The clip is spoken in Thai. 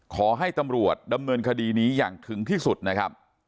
ขอให้ตำรวจดำเนินคดีนี้อย่างถึงที่สุดนะครับ